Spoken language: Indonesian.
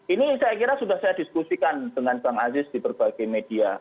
ini saya kira sudah saya diskusikan dengan bang aziz di berbagai media